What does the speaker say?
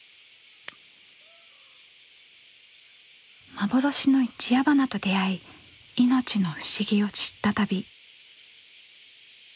幻の一夜花と出会い命の不思議を知った旅。